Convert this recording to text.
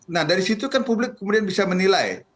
nah dari situ kan publik kemudian bisa menilai